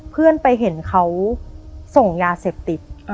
เพื่อนไปเห็นเขาส่งยาเสพติด